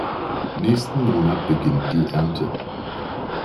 Nächsten Monat beginnt die Ernte.